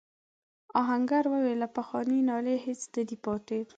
آهنګر وویل له پخواني ناله هیڅ نه دی پاتې.